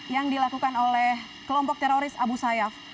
yang dilakukan oleh kelompok teroris abu sayyaf